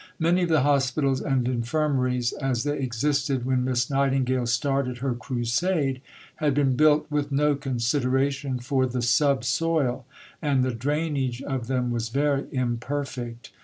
Many of the hospitals and infirmaries, as they existed when Miss Nightingale started her crusade, had been built with no consideration for the sub soil, and the drainage of them was very imperfect.